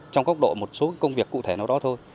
trong góc độ một số công việc cụ thể nào đó thôi